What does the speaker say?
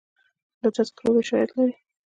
د تذکرو ویش عاید لري